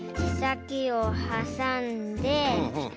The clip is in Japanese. けさきをはさんで。